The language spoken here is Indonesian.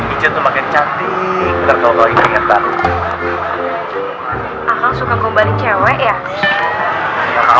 aku suka ngomong cewek ya